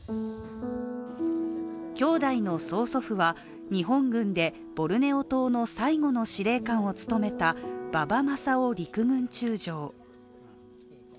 兄弟の曾祖父は日本軍でボルネオ島の最後の司令官を務めた馬場正郎陸軍中将。